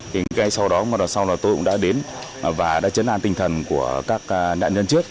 thì ngay sau đó một đằng sau là tôi cũng đã đến và đã chấn an tinh thần của các nạn nhân trước